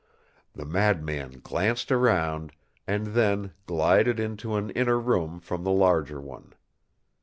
The madman glanced around, and then glided into an inner room from the larger one.